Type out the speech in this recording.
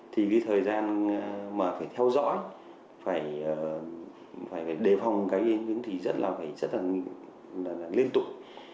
thì thời gian mà phải theo dõi phải đề phòng cái ứng thùy rất là liên tục